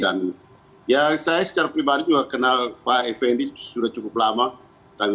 dan ya saya secara pribadi juga kenal pak effendi sudah cukup lama